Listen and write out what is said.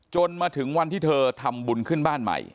จนถึงวันที่เธอทำบุญขึ้นบ้านใหม่